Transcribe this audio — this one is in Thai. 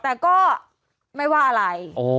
แต่ก็ไม่ว่าอะไร